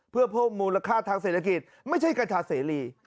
เพื่อเพิ่มมูลค่าทางเศรษฐกิจไม่ใช่กัญชาเสรี